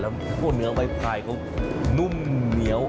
แล้วเนื้อใบพายเขานุ่มเหนียว